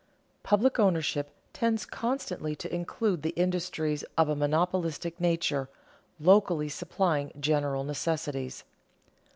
_Public ownership tends constantly to include the industries of a monopolistic nature, locally supplying general necessities.